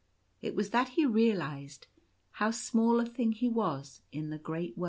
It was that he realized how small a thing he was in the great world.